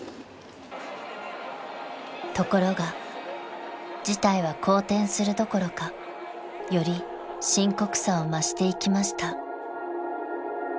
［ところが事態は好転するどころかより深刻さを増していきました］